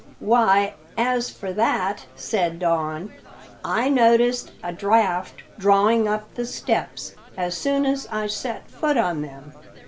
"Why, as for that," said Don, "I noticed a draught drawing up the steps, as soon as I set foot on them.